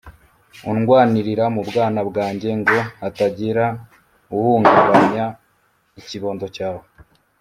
undwanirira mu bwana bwanjye ngo hatagira uhungabanya ikibondo cyawe